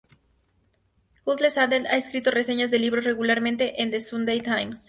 Hughes-Hallett ha escrito reseñas de libros regularmente en "The Sunday Times".